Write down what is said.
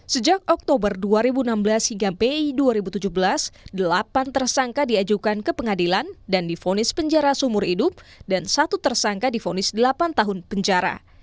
sejak oktober dua ribu enam belas hingga mei dua ribu tujuh belas delapan tersangka diajukan ke pengadilan dan difonis penjara sumur hidup dan satu tersangka difonis delapan tahun penjara